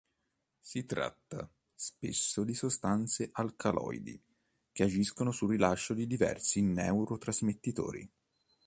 Si tratta, spesso, di sostanze alcaloidi che agiscono sul rilascio di diversi neurotrasmettitori.